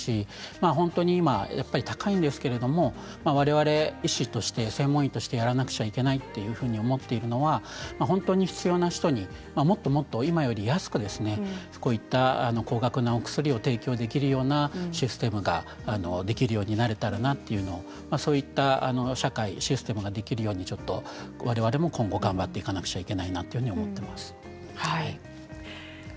本当に高いんですけれどわれわれ医師として専門医としてやらなければならないと思っているのは本当に必要な人にもっともっと今より安くこういった高額なお薬を提供できるようなシステムができるようになれたらなというのをそういった社会システムができるようにわれわれも今後頑張っていかなければいけないなと思っています。